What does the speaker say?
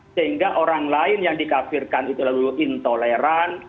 sehingga orang lain yang dikafirkan itu lalu intoleran